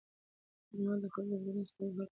خدمت د خلکو د ورځنیو ستونزو حل ته پام کوي.